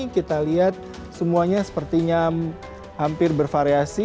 kita lihat semuanya sepertinya hampir bervariasi